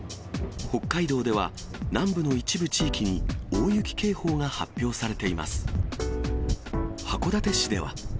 北海道では、南部の一部地域に大雪警報が発表されています。